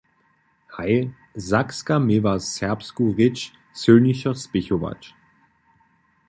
Haj, Sakska měła serbsku rěč sylnišo spěchować!